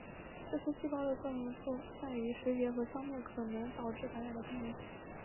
这些细胞的作用在于识别和消灭可能导致感染的病原体。